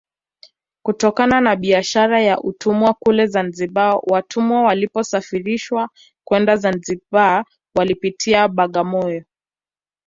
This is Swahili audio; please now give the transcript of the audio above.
Kutokana na biashara ya utumwa kule Zanzibar watumwa waliposafirishwa kwenda Zanzibar walipitia Bagamoyo